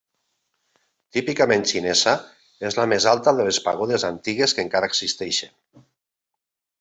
Típicament xinesa, és la més alta de les pagodes antigues que encara existeixen.